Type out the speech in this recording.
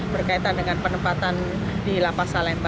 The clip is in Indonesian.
berkaitan dengan penempatan di lapa salemba